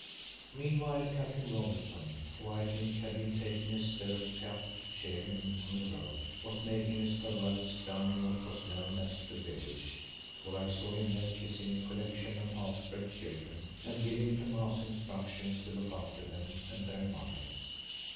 Meanwhile Captain Robertson, who I think had been taking a stirrup cup to cheer him on the road, was making his farewells down in what was known as "the village," for I saw him there kissing a collection of half breed children, and giving Thomaso instructions to look after them and their mothers.